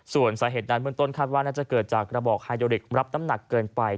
ส่วนสาเหตุนั้นเบื้องต้นคาดว่าน่าจะเกิดจากกระบอกไฮโดริกรับน้ำหนักเกินไป